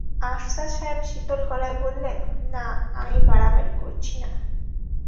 আফসার সাহেব শীতল গলায় বললেন, না, আমি বাড়াবাড়ি করছি না।